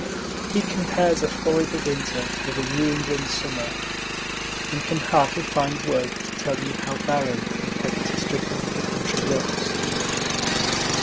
He compares a Florida winter with a New England summer, and can hardly find words to tell you how barren and poverty stricken the country looks.